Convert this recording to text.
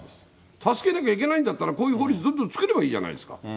助けなきゃいけないんだったら、こういう法律、どんどん作ればいいじゃないですか。